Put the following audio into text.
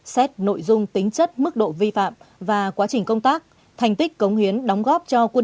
xét nội dung tính chất mức độ vi phạm và quá trình công tác thành tích cống hiến đóng góp cho quân